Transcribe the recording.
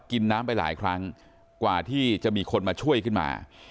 กินน้ำไปหลายครั้งกว่าที่จะมีคนมาช่วยขึ้นมา